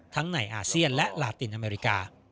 ในอาเซียนและลาตินอเมริกา